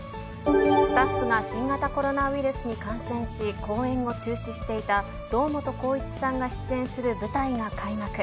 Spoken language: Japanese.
スタッフが新型コロナウイルス感染し、公演を中止していた堂本光一さんが出演する舞台が開幕。